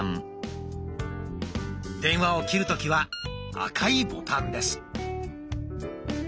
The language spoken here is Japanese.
電話を切る時は赤いボタンです。